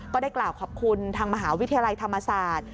ก็ได้กล่าวขอบคุณทางมหาวิทยาลัยธรรมศาสตร์